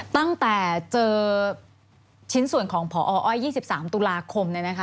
ตั้งแต่เจอชิ้นส่วนของพออ้อย๒๓ตุลาคม